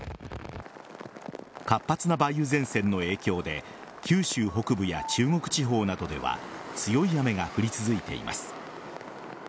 活発な梅雨前線の影響で九州北部や中国地方などでは強い雨が降り続いています。